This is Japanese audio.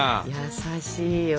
優しいわ。